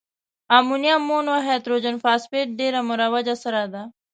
امونیم مونو هایدروجن فاسفیټ ډیره مروجه سره ده.